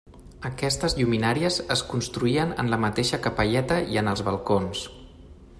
Aquestes lluminàries es construïen en la mateixa capelleta i en els balcons.